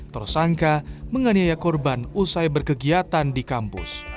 tersangka menganiaya korban usai berkegiatan di kampus